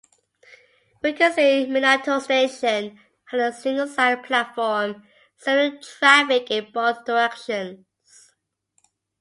Rikuzen-Minato Station had a single side platform serving traffic in both directions.